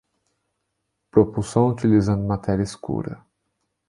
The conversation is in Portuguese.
Propulsão utilizando matéria escura